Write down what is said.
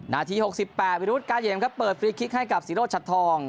นาที๖๘วิรุธกาเหยมครับเปิดฟรีคลิกให้กับศิโรชัดทอง